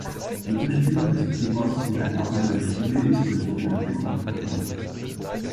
Gegenspieler des Themas in einer anderen Stimme ist der so genannte Kontrapunkt.